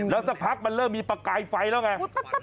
แล้วสักพักมันเริ่มมีประกายไฟแล้วไง